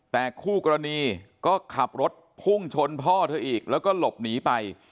แต่คู่กรณีก็ขับรถพุ่งชนพ่อเธออีกแล้วก็หลบหนีไป